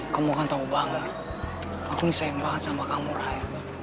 kamu kan tau banget aku sayang banget sama kamu ray